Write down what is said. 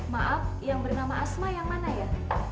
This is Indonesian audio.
maaf yang bernama asma yang mana ya